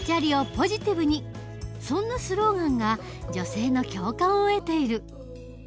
そんなスローガンが女性の共感を得ている。